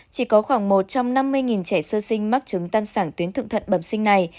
chỉ có khoảng một trăm năm mươi trẻ sơ sinh mắc trứng tăng sản tuyến thượng thuận bẩm sinh này